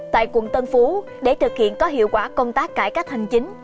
tại quận tân phú để thực hiện có hiệu quả công tác cải cách hành chính